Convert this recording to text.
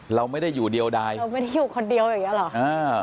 เราไม่ได้อยู่เดียวใดเราไม่ได้อยู่คนเดียวอย่างเงี้เหรออ่า